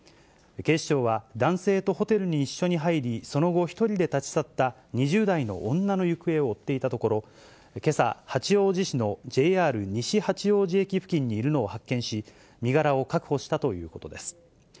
警視庁は男性とホテルに一緒に入り、その後、１人で立ち去った２０代の女の行方を追っていたところ、けさ、八王子市のＪＲ西八王子駅付近にいるのを発見し、身柄を確保したということです。